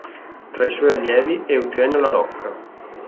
Tra i suoi allievi, Eugenio La Rocca.